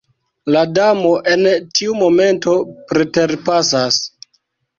La Damo en tiu momento preterpasas.